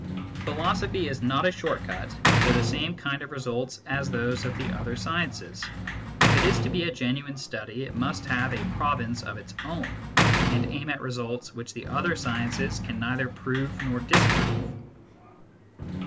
Philosophy is not a short cut to the same kind of results as those of the other sciences : if it is to be a genuine study, it must have a province of its own, and aim at results which the other sciences can neither Drove nor disprove.